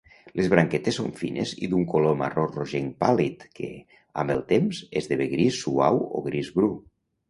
Les branquetes són fines i d'un color marró rogenc pàl·lid que, amb el temps, esdevé gris suau o gris bru.